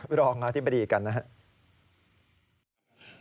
ไปลองพี่ตีมบีกันนะครับ